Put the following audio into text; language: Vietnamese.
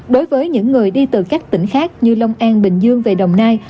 đối với những người đi từ các tỉnh khác như long an bình dương về đồng nai